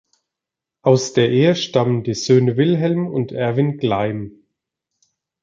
Aus der Ehe stammen die Söhne Wilhelm und Erwin Gleim.